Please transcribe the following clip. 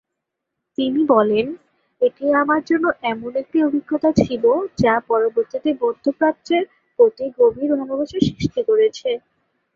তিনি বলেন, এটি আমার জন্য এমন একটি অভিজ্ঞতা ছিল যা পরবর্তীতে মধ্য প্রাচ্যের প্রতি গভীর ভালবাসা সৃষ্টি করেছে।